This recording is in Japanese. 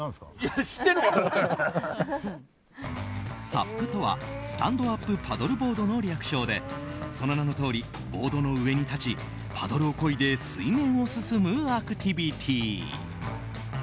サップとは、ＳｔａｎｄＵｐＰａｄｄｌｅｂｏａｒｄの略称でその名のとおりボードの上に立ちパドルをこいで水面を進むアクティビティー。